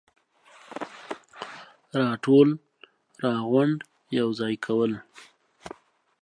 راټول ، راغونډ ، يوځاي کول,